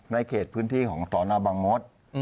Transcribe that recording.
ในเขตพื้นที่ของสนบังมศ